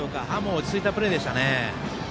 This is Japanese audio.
落ち着いたプレーでしたね。